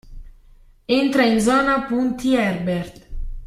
Entra in zona punti Herbert.